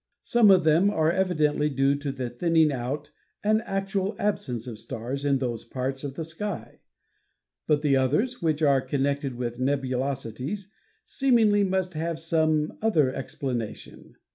Some of them are evidently due to the thinning out and actual absence of stars in those parts of the sky. But the others, which are connected with nebu losities, seemingly must have some other explanation.